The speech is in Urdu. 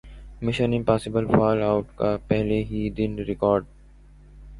مشن امپاسیبل فال اٹ کا پہلے ہی دن ریکارڈ